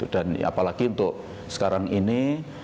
dan apalagi untuk sekarang ini